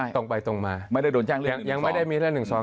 ตรงไปตรงมาไม่ได้โดนจ้างเล่น๑๒